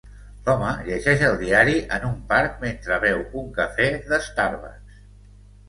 L'home llegeix el diari en un parc mentre beu un cafè de Starbuck's.